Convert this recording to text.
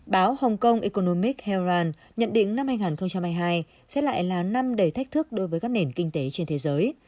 báo hong kong economic herald nhận định năm hai nghìn hai mươi hai sẽ lại là năm đầy thách thức đối với các nền kinh tế trên thế giới